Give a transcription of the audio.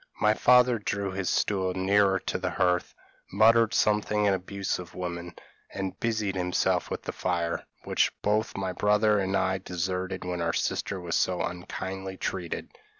My father drew his stool nearer to the hearth, muttered something in abuse of women, and busied himself with the fire, which both my brother and I had deserted when our sister was so unkindly treated.